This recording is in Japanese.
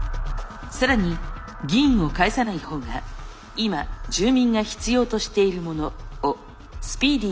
更に議員を介さない方が今住民が必要としているものをスピーディーに実現できます。